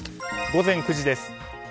午前９時です。